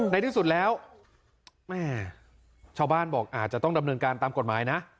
ในที่สุดแล้วแม่ชาวบ้านบอกอาจจะต้องดำเนินการตามกฎหมายนะ